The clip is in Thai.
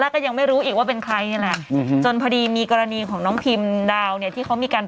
เขายังไม่รู้ว่าเป็นใคร